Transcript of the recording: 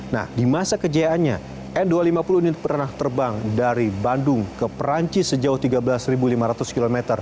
nah di masa kejayaannya n dua ratus lima puluh ini pernah terbang dari bandung ke perancis sejauh tiga belas lima ratus km